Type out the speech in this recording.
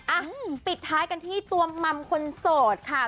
อ่ะปิดท้ายกันที่ตัวมัมคนโสดค่ะ